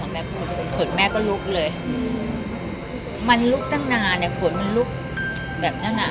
แม่ผลแม่ก็ลุกเลยมันลุกตั้งนานเนี่ยฝนมันลุกแบบนั้นอ่ะ